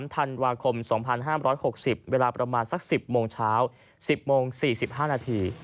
ธันวาคม๒๕๖๐เวลาประมาณสัก๑๐โมงเช้า๑๐โมง๔๕นาที